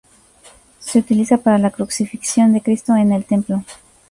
Se utiliza para la crucifixión de cristo en el templo.